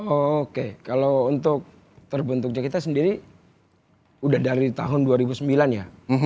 oke kalau untuk terbentuknya kita sendiri udah dari tahun dua ribu sembilan ya